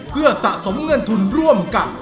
เพื่อสะสมเงินทุนร่วมกัน